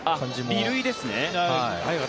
離塁ですね。